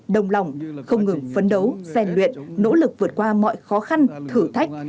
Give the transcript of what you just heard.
đồng lòng không ngừng phấn đấu rèn luyện nỗ lực vượt qua mọi khó khăn thử thách